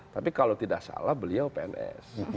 tapi kalau tidak salah beliau pns